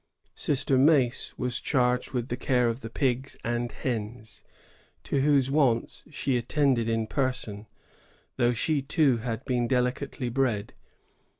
^ Sister Mac^ was charged with the care of the pigs and hens, to whose wants she attended in person, though she too had been delicately bred.